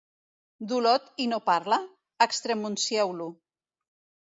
D'Olot i no parla? Extremuncieu-lo.